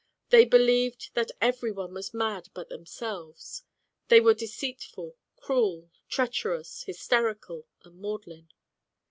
They believed that everyone was mad but them selves. They were deceitful, cruel, treacherous, hysterical, and maudlin.